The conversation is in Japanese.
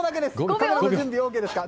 カメラの準備ＯＫですか。